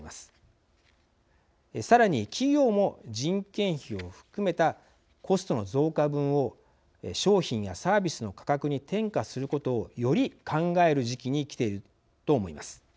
さらに企業も人件費を含めたコストの増加分を商品やサービスの価格に転嫁することをより考える時期にきていると思います。